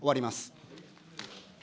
終わります。